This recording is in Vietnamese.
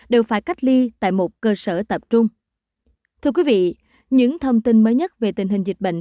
giác tại một cơ sở tập trung thưa quý vị những thông tin mới nhất về tình hình dịch bệnh